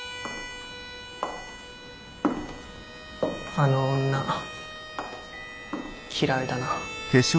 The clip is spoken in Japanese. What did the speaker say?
あの女嫌いだな。